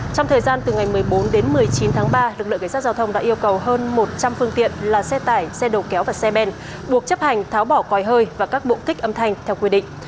trong thời gian từ ngày một mươi bốn đến một mươi chín tháng ba lực lượng cảnh sát giao thông đã yêu cầu hơn một trăm linh phương tiện là xe tải xe đầu kéo và xe ben buộc chấp hành tháo bỏ còi hơi và các bộ kích âm thanh theo quy định